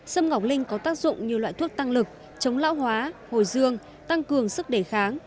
xâm ngọc linh có tác dụng như loại thuốc tăng lực chống lão hóa hồi dương tăng cường sức đề kháng